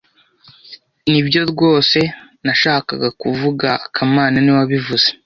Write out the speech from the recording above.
Nibyo rwose nashakaga kuvuga kamana niwe wabivuze